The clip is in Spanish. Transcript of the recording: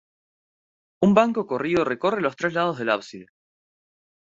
Un banco corrido recorre los tres lados del ábside.